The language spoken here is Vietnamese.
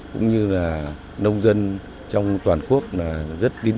cũng như là nông dân trong toàn quốc rất tin